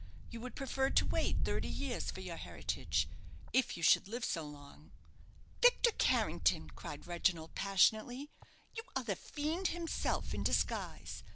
You would prefer to wait thirty years for your heritage if you should live so long!" "Victor Carrington," cried Reginald, passionately, "you are the fiend himself, in disguise!